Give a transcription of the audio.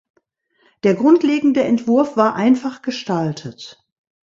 Der grundlegende Entwurf war einfach gestaltet.